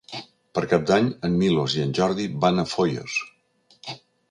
Per Cap d'Any en Milos i en Jordi van a Foios.